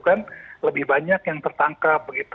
kan lebih banyak yang tertangkap begitu